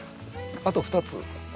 あと２つ。